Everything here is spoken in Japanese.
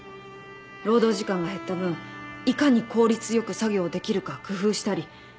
労働時間が減った分いかに効率よく作業できるか工夫したり。